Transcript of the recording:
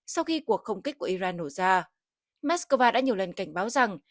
sau khi cuộc không kích của iran nổ ra moscow đã nhiều lần cảnh báo rằng